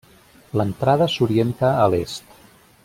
L'entrada s'orienta a l'est.